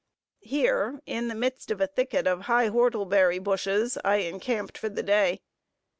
Here, in the midst of a thicket of high whortleberry bushes, I encamped for the day.